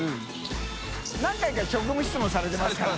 何回か職務質問されてますから。